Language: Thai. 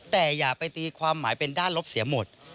แต่อย่าไปตีความหมายเป็นด้านลบเสียหมด